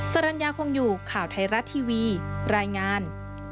สรรญาคงอยู่ข่าวไทยรัฐทีวีรายงาน